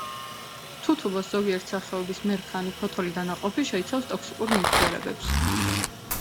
თუთუბოს ზოგიერთი სახეობის მერქანი, ფოთოლი და ნაყოფი შეიცავს ტოქსიკურ ნივთიერებებს.